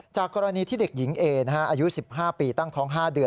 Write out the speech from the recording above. กรณีที่เด็กหญิงเออายุ๑๕ปีตั้งท้อง๕เดือน